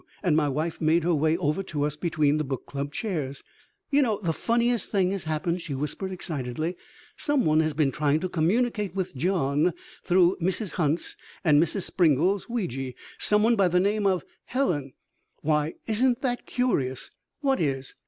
And my wife made her way over to us between the Book Club's chairs. "You know the funniest thing has happened," she whispered excitedly. "Someone had been trying to communicate with John through Mrs. Hunt's and Mrs. Sprinkle's Ouija! Someone by the name of Helen " "Why, isn't that curious!" "What is?"